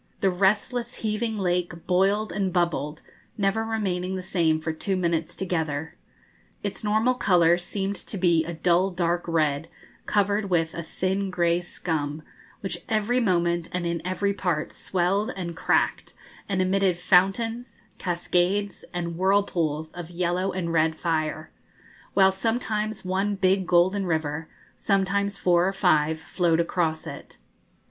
The restless, heaving lake boiled and bubbled, never remaining the same for two minutes together. Its normal colour seemed to be a dull dark red, covered with a thin grey scum, which every moment and in every part swelled and cracked, and emitted fountains, cascades, and whirlpools of yellow and red fire, while sometimes one big golden river, sometimes four or five, flowed across it.